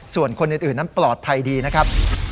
ส่วนคนอื่นนั้นปลอดภัยดีนะครับ